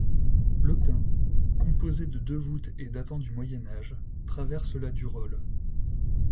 Le pont, composé de deux voûtes et datant du Moyen-âge, traverse la Durolle.